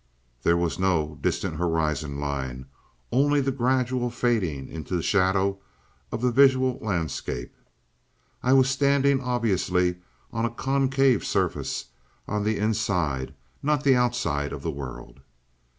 There was no distant horizon line, only the gradual fading into shadow of the visual landscape. I was standing obviously on a concave surface, on the inside, not the outside of the world.